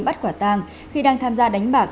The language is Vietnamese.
bắt quả tàng khi đang tham gia đánh bạc